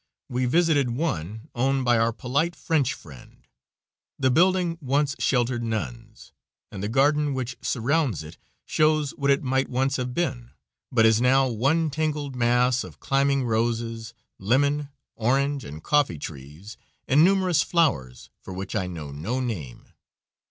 We visited one owned by our polite French friend. The building once sheltered nuns, and the garden which surrounds it shows what it might once have been, but is now one tangled mass of climbing roses, lemon, orange and coffee trees, and numerous flowers for which I know no name.